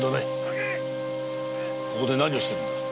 ここで何をしてるんだ？